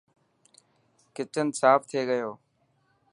ڪچن ساف ٿي گيو.